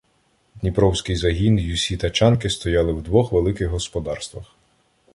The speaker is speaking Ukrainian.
Дніпровський загін й усі тачанки стояли в двох великих господарствах.